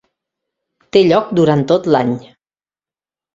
Té lloc durant tot l'any.